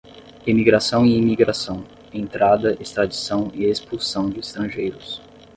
emigração e imigração, entrada, extradição e expulsão de estrangeiros;